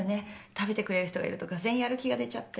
食べてくれる人がいると俄然やる気が出ちゃって。